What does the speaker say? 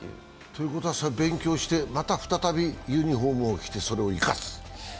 ということは勉強してまた再びユニフォームを着て、それを生かす？